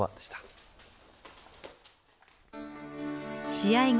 試合後